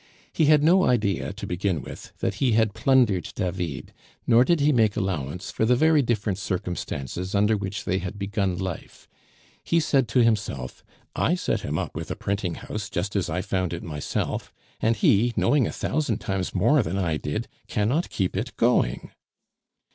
He had no idea, to begin with, that he had plundered David, nor did he make allowance for the very different circumstances under which they had begun life; he said to himself, "I set him up with a printing house, just as I found it myself; and he, knowing a thousand times more than I did, cannot keep it going."